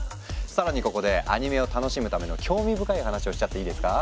更にここでアニメを楽しむための興味深い話をしちゃっていいですか？